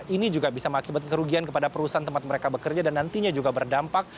ini juga bisa mengakibatkan kerugian kepada perusahaan tempat mereka bekerja dan nantinya juga berdampak